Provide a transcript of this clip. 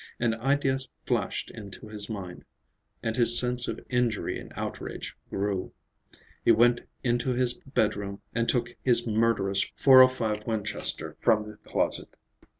An idea flashed into his mind, and his sense of injury and outrage grew. He went into his bedroom and took his murderous 405 Winchester from the closet.